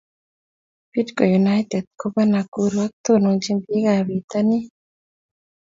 Bidco united ko pa nakuru ak tononchi pik ab pitonnin